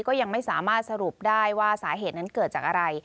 ก็ยังไม่สามารถสรุปได้ว่าสาเหตุนั้นเกิดจากอะไร